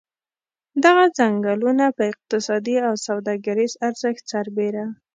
دغه څنګلونه په اقتصادي او سوداګریز ارزښت سربېره.